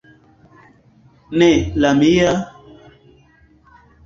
Ne la mia...